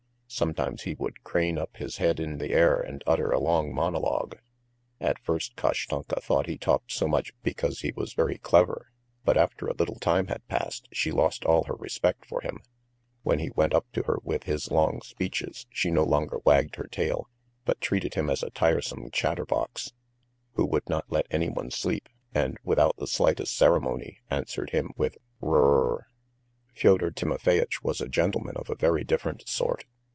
Sometimes he would crane up his head in the air and utter a long monologue. At first Kashtanka thought he talked so much because he was very clever, but after a little time had passed, she lost all her respect for him; when he went up to her with his long speeches she no longer wagged her tail, but treated him as a tiresome chatterbox, who would not let anyone sleep and, without the slightest ceremony, answered him with "R r r r!" Fyodor Timofeyitch was a gentleman of a very different sort.